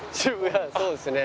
そうですね。